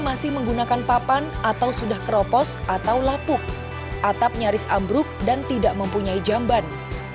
masih menggunakan papan atau sudah keropos atau lapuk atap nyaris ambruk dan tidak mempunyai jamban